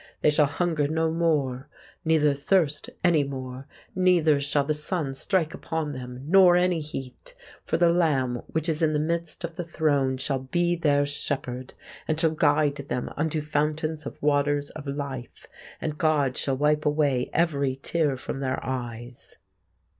They shall hunger no more, neither thirst any more; neither shall the sun strike upon them, nor any heat: for the Lamb which is in the midst of the throne shall be their Shepherd, and shall guide them unto fountains of waters of life: and God shall wipe away every tear from their eyes.